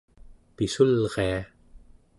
pissulria